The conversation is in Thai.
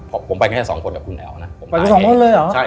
ผมไปแค่สองคนกับคุณแถวสองคนเลยหรือ